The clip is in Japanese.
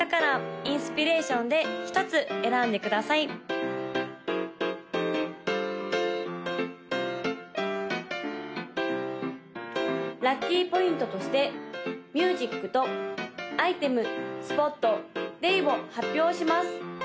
・赤色紫色黄色青色の・ラッキーポイントとしてミュージックとアイテムスポットデイを発表します！